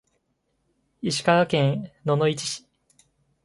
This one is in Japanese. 石川県野々市市